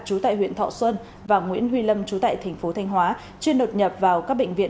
chú tại huyện thọ xuân và nguyễn huy lâm chú tại tp thanh hóa chuyên đột nhập vào các bệnh viện